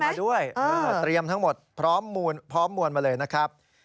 มาด้วยเตรียมทั้งหมดพร้อมมวลมาเลยนะครับ